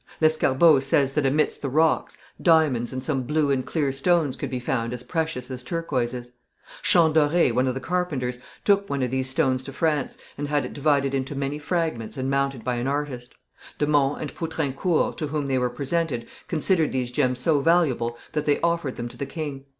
Lescarbot says that amidst the rocks, diamonds and some blue and clear stones could be found as precious as turquoises. Champdoré, one of the carpenters, took one of these stones to France, and had it divided into many fragments and mounted by an artist. De Monts and Poutrincourt, to whom they were presented, considered these gems so valuable that they offered them to the king.